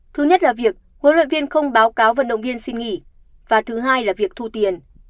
thứ nhất là việc huấn luyện viên không báo cáo vận động viên xin nghỉ và thứ hai là việc thu tiền